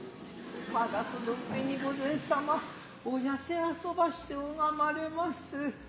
まだ其の上に御前様お痩せ遊ばしてをがまれます。